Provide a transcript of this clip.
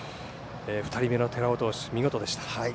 ２人目の寺尾投手、見事でした。